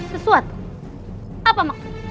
sesuatu apa maksudmu